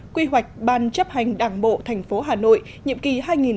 quy hoạch ban chấp hành đảng bộ thành phố hà nội nhiệm kỳ hai nghìn hai mươi một hai nghìn hai mươi năm